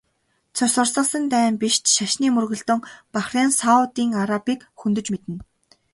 Цус урсгасан дайн биш ч шашны мөргөлдөөн Бахрейн, Саудын Арабыг хөндөж мэднэ.